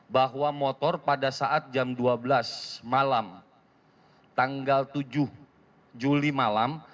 bahwa motor pada saat jam dua belas malam tanggal tujuh juli malam